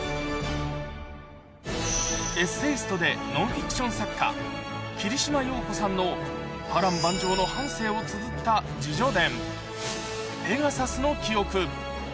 エッセイストでノンフィクション作家、桐島洋子さんの波乱万丈の半生をつづった自叙伝、ペガサスの記憶。